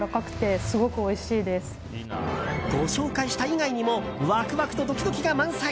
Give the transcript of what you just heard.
ご紹介した以外にもワクワクとドキドキが満載。